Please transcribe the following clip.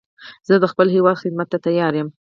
زه د خپل هېواد خدمت ته تیار یم